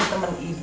ini temen ibu